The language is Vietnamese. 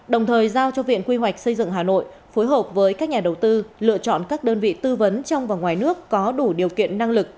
đồng thời giao cho viện quy hoạch xây dựng hà nội phối hợp với các nhà đầu tư lựa chọn các đơn vị tư vấn trong và ngoài nước có đủ điều kiện năng lực